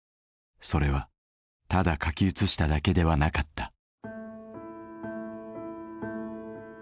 それはただ書き写しただけではなかった。